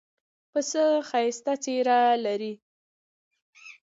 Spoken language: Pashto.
پسه ښایسته څېره لري.